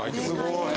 すごい！